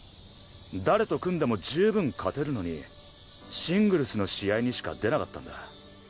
誰と組んでも十分勝てるのにシングルスの試合にしか出なかったんだ。